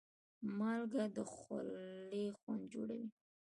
مالګه د خولې خوند جوړوي.